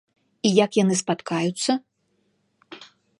І як яны спаткаюцца?